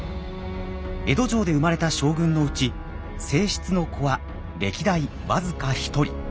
江戸城で生まれた将軍のうち正室の子は歴代僅か１人。